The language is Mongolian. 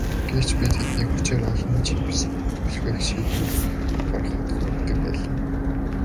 Гэвч би тэднийг хүчээр олон чипс түлхэх шийдвэр гаргахад хүргэдэг байлаа.